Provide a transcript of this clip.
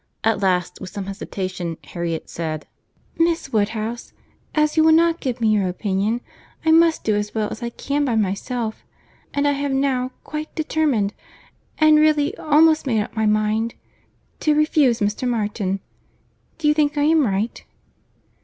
At last, with some hesitation, Harriet said— "Miss Woodhouse, as you will not give me your opinion, I must do as well as I can by myself; and I have now quite determined, and really almost made up my mind—to refuse Mr. Martin. Do you think I am right?"